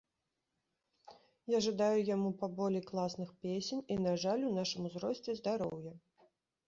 Я жадаю яму паболей класных песень, і на жаль, у нашым узросце, здароўя.